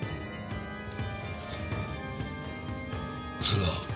それは？